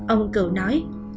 ông cựu nói